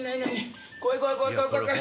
怖い怖い怖い怖い。